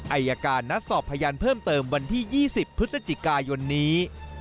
อายการนัดสอบพยานเพิ่มเติมวันที่๒๐พฤศจิกายนนี้